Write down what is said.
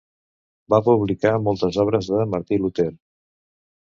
Va publicar moltes obres de Martí Luter.